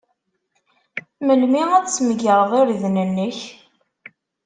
Melmi ad tmegred irden-nnek?